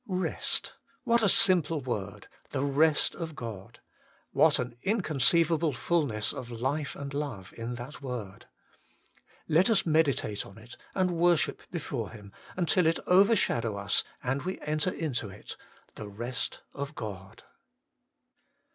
8. Rest I what a simple word. The Rest of God I what an inconceivable fulness of Life and Loue in that word. Let us meditate on it and worship before Him, until it ouershadow us and we enter into It the Rest of God.